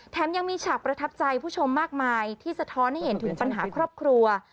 แถมยังมีฉากประทับใจผู้ชมมากมายที่สะท้อนให้เห็นถึงปัญหาครอบครัว